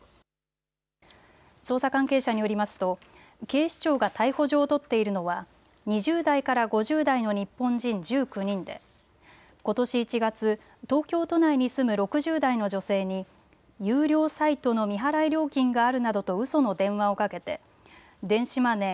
捜査関係者によりますと警視庁が逮捕状を取っているのは２０代から５０代の日本人１９人でことし１月、東京都内に住む６０代の女性に有料サイトの未払い料金があるなどとうその電話をかけて電子マネー